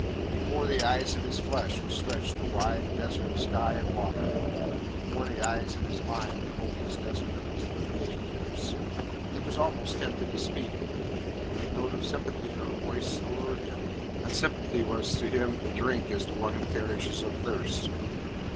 Before the eyes of his flesh was stretched a wide desert of sky and water, and before the eyes of his mind the hopeless desert of his thirty eight years. He was almost tempted to speak. The note of sympathy in her voice allured him, and sympathy was to him as drink to one who perishes of thirst.